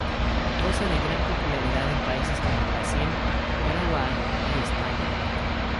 Goza de gran popularidad en países como Brasil, Paraguay y España.